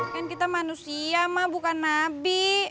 kan kita manusia mah bukan nabi